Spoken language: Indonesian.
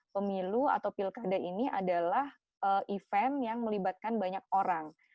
pemilu atau pilkada ini adalah event yang melibatkan banyak orang